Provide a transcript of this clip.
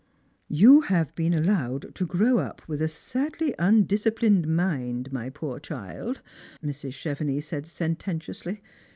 " You have been allowed to grow up with a sadly un disciplined mind, my poor child," Mrs. Chevenix said sen tentiously.